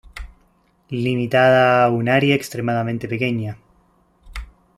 Limitada a un área extremadamente pequeña.